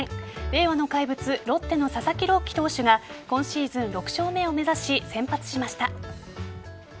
令和の怪物ロッテの佐々木朗希投手が今シーズン６勝目を目指し先発しました。